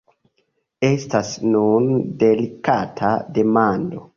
Estas nun delikata demando.